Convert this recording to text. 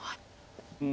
うん。